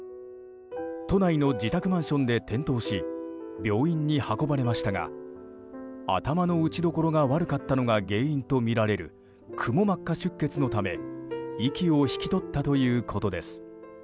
都内の自宅マンションで転倒し病院に運ばれましたが頭の打ちどころが悪かったのが原因とみられるくも膜下出血のため息を引き取ったということです。